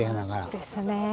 ですねぇ。